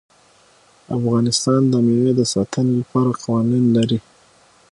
افغانستان د مېوې د ساتنې لپاره قوانین لري.